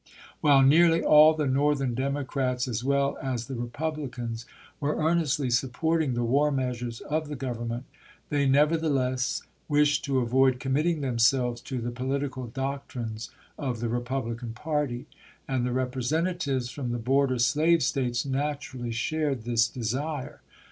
While nearly all the Northern Democrats, as well as the Republicans, were earnestly supporting the war measures of the Government, they nevertheless wished to avoid committing themselves to the po litical doctrines of the Republican party ; and the Representatives from the border slave States natu rally shared this desire.